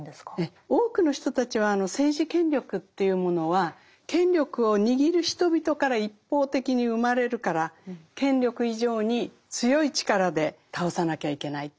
多くの人たちは政治権力というものは権力を握る人々から一方的に生まれるから権力以上に強い力で倒さなきゃいけないというふうに思うわけですね。